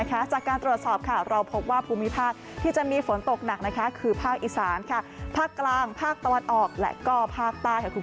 จากการตรวจสอบเราพบว่าภูมิภาคที่จะมีฝนตกหนักคือภาคอีสานภาคกลางภาคตะวันออกและก็ภาคใต้